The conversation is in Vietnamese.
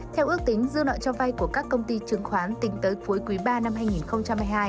theo ước tính dư nợ cho vay của các công ty chứng khoán tính tới cuối quý ba năm hai nghìn hai mươi hai